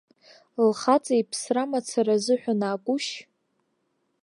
Лхаҵа иԥсра мацара азыҳәан акәушь?